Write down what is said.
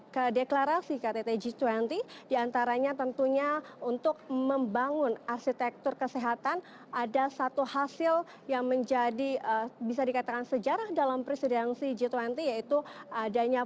kesehatan ada satu hasil yang menjadi bisa dikatakan sejarah dalam presidensi g dua puluh yaitu adanya